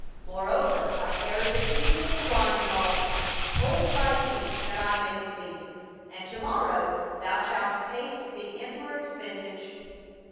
Moreover, I carry the keys of the wine vaults ; hold thy peace that I may sleep, and to mor row thou shalt taste the emperor's vintage."